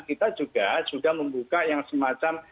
kita juga sudah membuka yang semacam